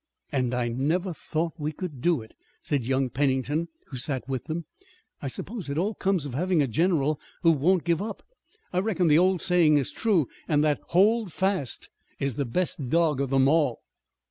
"And I never thought that we could do it," said young Pennington, who sat with them. "I suppose it all comes of having a general who won't give up. I reckon the old saying is true, an' that Hold Fast is the best dog of them all."